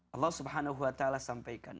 allah swt sampaikan